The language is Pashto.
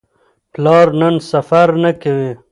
پلار نن سفر نه کوي.